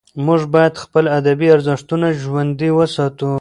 موږ باید خپل ادبي ارزښتونه ژوندي وساتو.